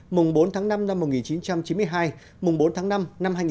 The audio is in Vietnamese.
mùng bốn tháng năm năm một nghìn chín trăm chín mươi hai mùng bốn tháng năm năm hai nghìn hai mươi